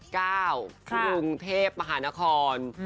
กรุงเทพมหานคร